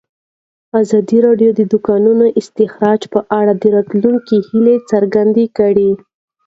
ازادي راډیو د د کانونو استخراج په اړه د راتلونکي هیلې څرګندې کړې.